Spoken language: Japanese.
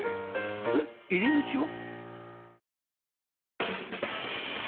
えっ入り口は？